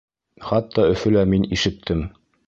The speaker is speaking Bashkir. Хатта Өфөлә мин ишеттем.